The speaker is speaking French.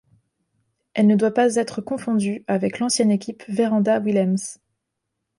Elle ne doit pas être confondue avec l'ancienne équipe Verandas Willems.